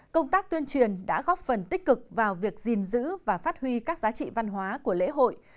công tác tuyên truyền đã góp phần tích cực vào việc gìn giữ và phát huy các giá trị văn hóa của lễ hội